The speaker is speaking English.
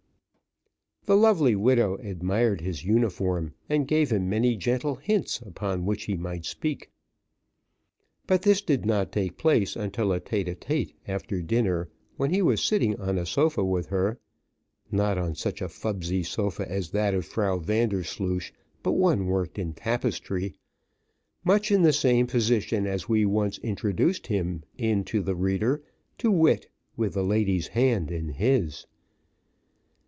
The lovely widow admired his uniform, and gave him many gentle hints upon which he might speak: but this did not take place until a tête à tête after dinner, when he was sitting on a sofa with her (not on such a fubsy sofa as that of Frau Vandersloosh, but one worked in tapestry); much in the same position as we once introduced him in to the reader, to wit, with the lady's hand in his.